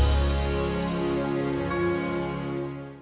terus sepeda kamu bisa ketemu